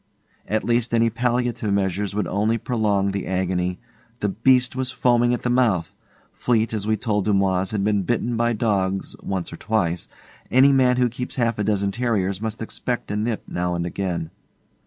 At least any palliative measures would only prolong the agony. The beast was foaming at the mouth. Fleete, as we told Dumoise, had been bitten by dogs once or twice. Any man who keeps half a dozen terriers must expect a nip now and again.